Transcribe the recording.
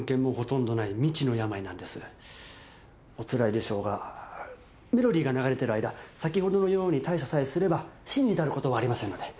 おつらいでしょうがメロディーが流れてる間先ほどのように対処さえすれば死に至ることはありませんので。